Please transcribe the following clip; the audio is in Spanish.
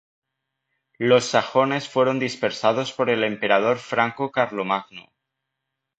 Los sajones fueron dispersados por el emperador franco Carlomagno.